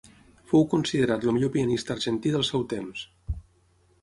Fou considerat el millor pianista argentí del seu temps.